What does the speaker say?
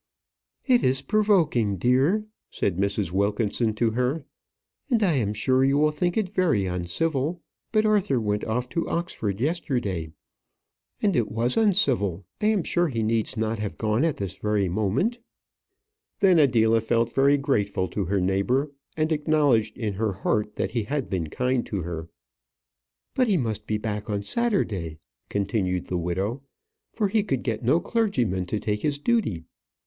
"It is provoking, dear," said Mrs. Wilkinson to her, "and I am sure you will think it very uncivil, but Arthur went off to Oxford yesterday. And it was uncivil. I am sure he needs not have gone at this very moment." Then Adela felt very grateful to her neighbour, and acknowledged in her heart that he had been kind to her. "But he must be back on Saturday," continued the widow, "for he could get no clergyman to take his duty.